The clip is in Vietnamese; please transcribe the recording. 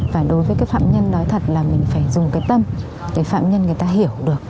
và đối với cái phạm nhân nói thật là mình phải dùng cái tâm để phạm nhân người ta hiểu được